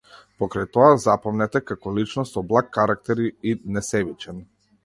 Покрај тоа, запомнет е како личност со благ карактер и несебичен.